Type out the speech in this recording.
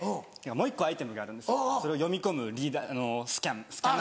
もう１個アイテムがあるんですそれを読み込むスキャナー。